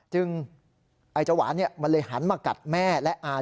ไอ้เจ้าหวานมันเลยหันมากัดแม่และอา